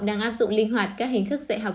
đang áp dụng linh hoạt các hình thức dạy học